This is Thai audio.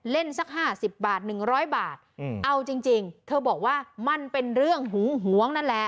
เล่นสักห้าสิบบาทหนึ่งร้อยบาทอืมเอาจริงจริงเธอบอกว่ามันเป็นเรื่องหูหวงนั่นแหละ